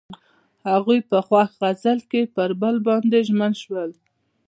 هغوی په خوښ غزل کې پر بل باندې ژمن شول.